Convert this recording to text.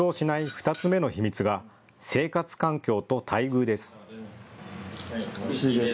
２つ目の秘密が生活環境と待遇です。